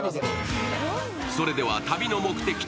それでは旅の目的地・